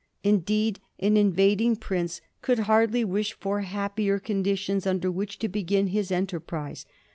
Indeed, an invading prince could hardly wish for happier conditions under which to begin his enterprise.